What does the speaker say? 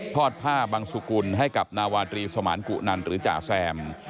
อดผ้าบังสุกุลให้กับนาวาตรีสมานกุนันหรือจ่าแซม